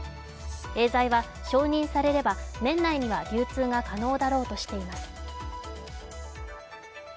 エーザイは承認されれば、年内には流通は可能だろうとしています。